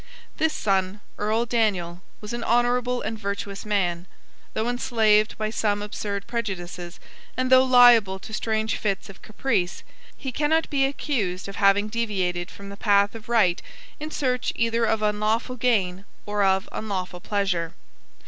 This son, Earl Daniel, was an honourable and virtuous man. Though enslaved by some absurd prejudices, and though liable to strange fits of caprice, he cannot be accused of having deviated from the path of right in search either of unlawful gain or of unlawful pleasure.